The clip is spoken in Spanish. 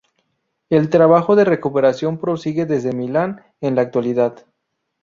El trabajo de recuperación prosigue desde Milán en la actualidad.